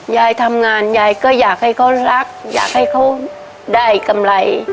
ยายทำงานยายก็อยากให้เขารักอยากให้เขาได้กำไร